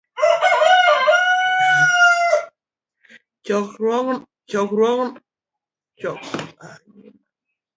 chakruokne oting'o weche machuok, magolo nonro malongo e wich wach miwach